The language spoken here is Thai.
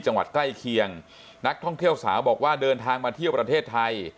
ใกล้เคียงนักท่องเที่ยวสาวบอกว่าเดินทางมาเที่ยวประเทศไทย